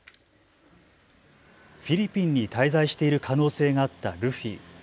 フィリピンに滞在している可能性があったルフィ。